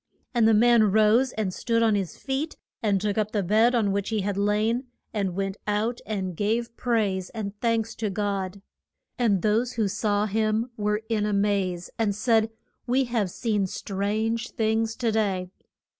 And the man rose and stood on his feet, and took up the bed on which he had lain and went out and gave praise and thanks to God. And those who saw him were in a maze and said, We have seen strange things to day.